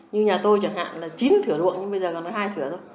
như nhà tôi chẳng hạn là chín thừa ruộng nhưng bây giờ còn hai thừa thôi